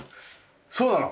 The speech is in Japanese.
そうなの？